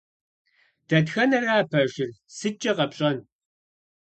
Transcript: Дэтхэнэра пэжыр? СыткӀэ къэпщӀэн?